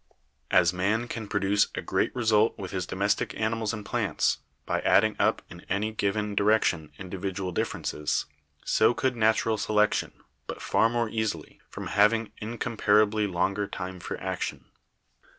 As man can produce a great result with 200 BIOLOGY his domestic animals and plants by adding up in any given direction individual differences, so could natural selection, but far more easily, from having incomparably longer time for action.